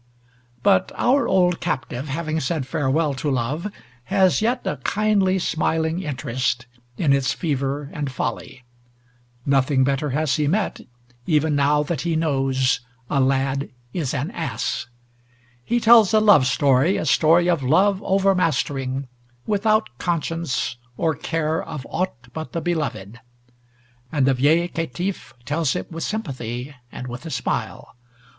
But our old captive, having said farewell to love, has yet a kindly smiling interest in its fever and folly. Nothing better has he met, even now that he knows "a lad is an ass." He tells a love story, a story of love overmastering, without conscience or care of aught but the beloved. And the viel caitif tells it with sympathy, and with a smile.